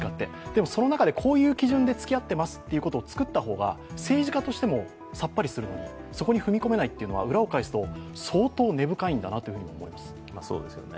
その中でこういう基準でつきあっていますというのを作った方がさっぱりする、そこに踏み込めないっていうのは裏を返すと相当根深いんだなって思います。